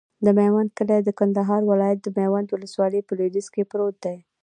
د میوند کلی د کندهار ولایت، میوند ولسوالي په لویدیځ کې پروت دی.